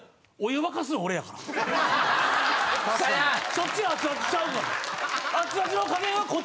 そっちが熱々ちゃうから！